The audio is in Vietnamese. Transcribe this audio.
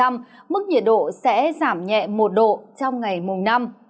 mức nhiệt độ sẽ giảm nhẹ một độ trong ngày mùng năm